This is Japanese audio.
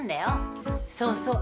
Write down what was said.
そうそう。